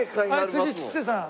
はい次吉瀬さん。